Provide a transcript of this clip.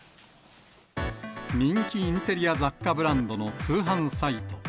人気インテリア雑貨ブランドの通販サイト。